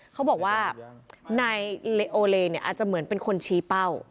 เขาบอกว่านายโอเลเนี่ยอาจจะเหมือนเป็นคนชี้เป้า